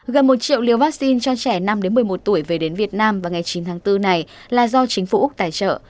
gần một triệu liều vaccine cho trẻ năm một mươi một tuổi về đến việt nam vào ngày chín tháng bốn này là do chính phủ úc tài trợ